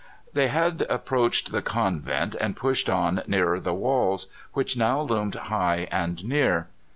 They had approached the convent and pushed on nearer the walls, which now loomed high and near.